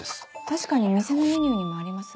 確かに店のメニューにもあります。